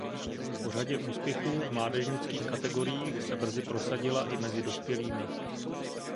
Po řadě úspěchů v mládežnických kategoriích se brzy prosadila i mezi dospělými.